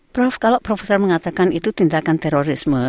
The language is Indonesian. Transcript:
prof kalau profesor mengatakan itu tindakan terorisme